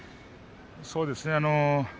そうですね。